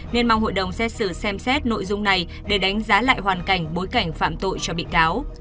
nên mong hội đồng xét xử xem xét nội dung này để đánh giá lại hoàn cảnh bối cảnh phạm tội cho bị cáo